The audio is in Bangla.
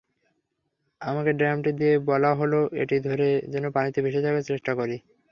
আমাকে ড্রামটি দিয়ে বলা হলো এটি ধরে যেন পানিতে ভেসে থাকার চেষ্টা করি।